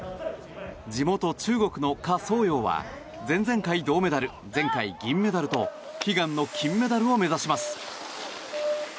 地元・中国のカ・ソウヨウは前々回、銅メダル前回銀メダルと悲願の金メダルを目指します。